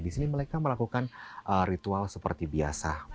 di sini mereka melakukan ritual seperti biasa